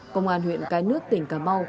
công an huyện cái nước tỉnh cà mau